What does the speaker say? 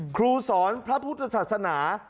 ครูสอนพระพุทธศาสนา